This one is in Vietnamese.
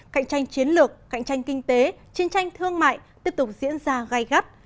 cạnh tranh chiến lược cạnh tranh kinh tế chiến tranh thương mại tiếp tục diễn ra gai gắt